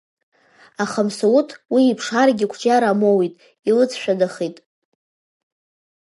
Аха Мсоусҭ уи иԥшаарагьы қәҿиара амоуит, илыҵшәадахеит.